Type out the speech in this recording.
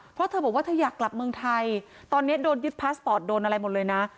เพราะเธอบอกว่าเธออยากกลับเมืองไทยตอนนี้โดนยึดพาสปอร์ตโดนอะไรหมดเลยนะ